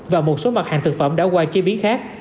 và một số mặt hàng thực phẩm đã qua chế biến khác